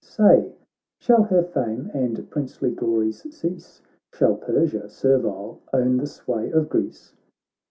Say, shall her fame and princely glories cease ? Shall Persia, servile, own the sway of Greece